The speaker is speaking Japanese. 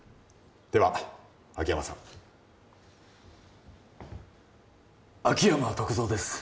では秋山さん秋山篤蔵です